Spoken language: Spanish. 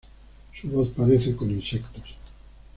Su voz parece con insectos.